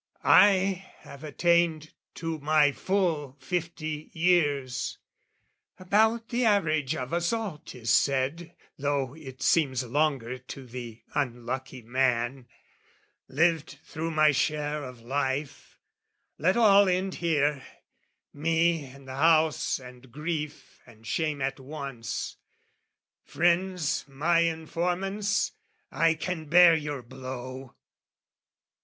"I have attained to my full fifty years, "(About the average of us all, 'tis said, "Though it seems longer to the unlucky man) " Lived through my share of life; let all end here, "Me and the house and grief and shame at once. "Friends my informants, I can bear your blow!"